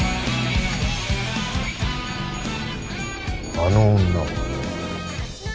あの女は？